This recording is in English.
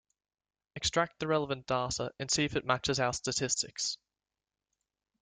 Extract the relevant data and see if it matches our statistics.